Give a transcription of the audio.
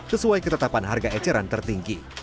sesuai ketetapan harga eceran tertinggi